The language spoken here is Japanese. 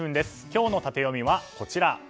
今日のタテヨミはこちら。